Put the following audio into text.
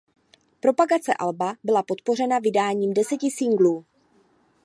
Propagace alba byla podpořena vydáním deseti singlů.